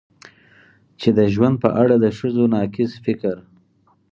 چې د ژوند په اړه د ښځو ناقص فکر